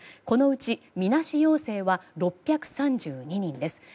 このうち、みなし陽性は６３２人です。